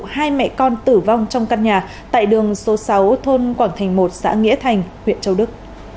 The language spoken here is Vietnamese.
hai mẹ con tử vong trong căn nhà tại đường số sáu thôn quảng thành một xã nghĩa thành huyện châu đức